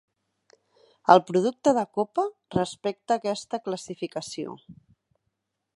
El producte de copa respecta aquesta classificació.